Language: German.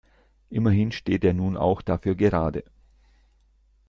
Immerhin steht er nun auch dafür gerade.